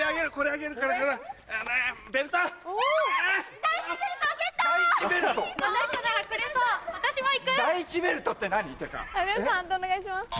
判定お願いします。